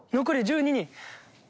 残り１２人。